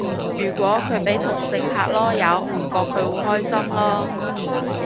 如果佢俾同性拍籮柚唔覺佢會開心囉